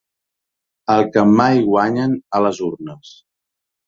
El que mai guanyen a les urnes.